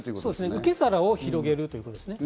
受け皿を広げるということですね。